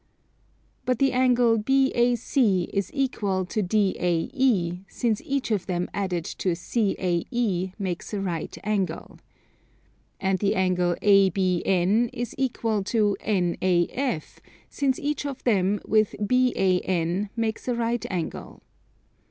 But the angle BAC is equal to DAE, since each of them added to CAE makes a right angle. And the angle ABN is equal to NAF, since each of them with BAN makes a right angle.